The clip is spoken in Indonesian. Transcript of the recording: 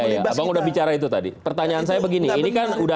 yang mau di libas kita